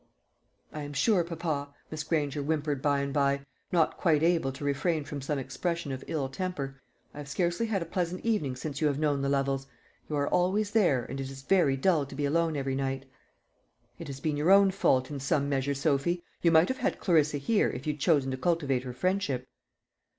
"I am sure, papa," Miss Granger whimpered by and by, not quite able to refrain from some expression of ill temper, "I have scarcely had a pleasant evening since you have known the Lovels. You are always there, and it is very dull to be alone every night." "It has been your own fault in some measure, Sophy. You might have had Clarissa here, if you'd chosen to cultivate her friendship."